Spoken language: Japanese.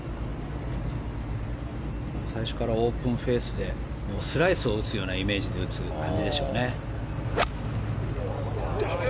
最初からオープンフェースでスライスを打つようなイメージで打つ感じでしょうね。